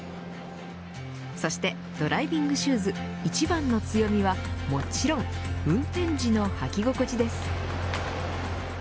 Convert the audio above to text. そして、ドライビングシューズ一番の強みはもちろん運転時の履き心地です。